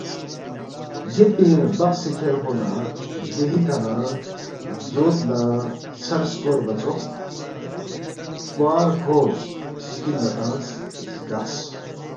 گیب پِنگ ربقسے کھیرفو لہ زگوہی کھہ نہ لزوت لہ ژھر سکوربا ژوخ کوار کھورس، سِکل لہ تنگس، زگقس